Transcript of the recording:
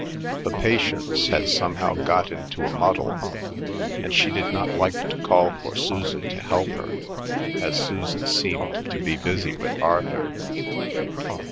The Patience had somehow got into a muddle, and she did not like to call for Susan to help her, as Susan seemed to be busy with Arthur.